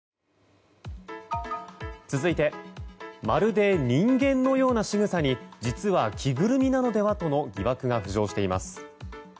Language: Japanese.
続いてまるで人間のようなしぐさに実は、着ぐるみなのではとの疑惑が浮上しています。